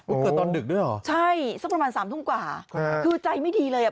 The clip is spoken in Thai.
เกิดตอนดึกด้วยเหรอใช่สักประมาณสามทุ่มกว่าคือใจไม่ดีเลยอ่ะ